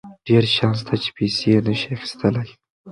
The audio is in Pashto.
ډېر شیان شته چې پیسې یې نشي اخیستلی.